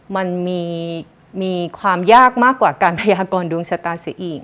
มันมีความยากมากกว่าการพยากรดวงชะตาเสียอีก